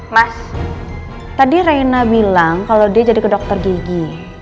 mas tadi reina bilang kalau dia jadi ke dokter gigi